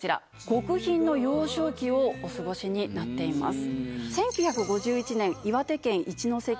極貧の幼少期をお過ごしになっています。